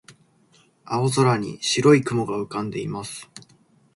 青空に白い雲が浮かんでいます。